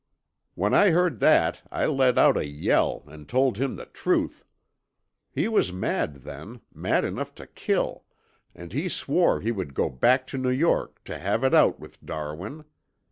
"When I heard that I let out a yell and told him the truth. He was mad then, mad enough to kill, and he swore he would go back to New York to have it out with Darwin.